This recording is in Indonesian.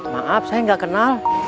maaf saya gak kenal